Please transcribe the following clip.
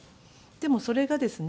でもそれがですね